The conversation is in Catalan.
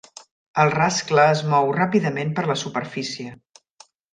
El rascle es mou ràpidament per la superfície.